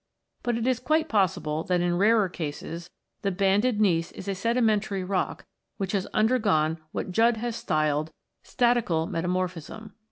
But it is quite possible that in rarer cases the banded gneiss is a sedimentary rock which has undergone what Judddos) has styled "statical metamorphism."